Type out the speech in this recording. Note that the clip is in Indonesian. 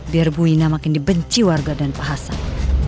biar bu wina makin dibenci warga dan pak asan